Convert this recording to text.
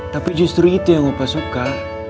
tapi justru itu yang bapak suka